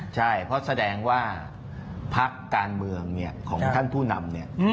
ใช่เพราะแสดงว่าพักการเมืองเนี่ยของท่านผู้นำเนี่ย